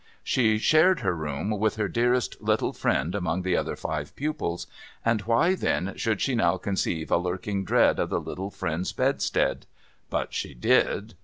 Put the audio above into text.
She shared her room with her dearest little friend among the other five pupils, and why then should she now conceive a lurking dread of the little friend's bedstead ? But she did.